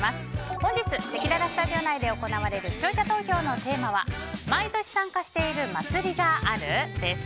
本日せきららスタジオ内で行われる視聴者投票のテーマは毎年参加している祭りがある？です。